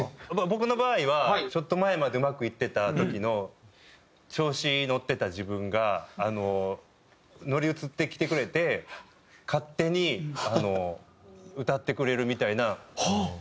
僕の場合はちょっと前までうまくいってた時の調子に乗ってた自分があの乗り移ってきてくれて勝手に歌ってくれるみたいな現象になるんですよ。